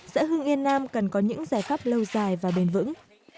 giã hương yên nam cần có những giải pháp lâu dài và bền vững